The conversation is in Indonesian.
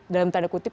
dalam tanda kutip